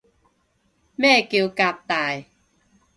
咩叫革大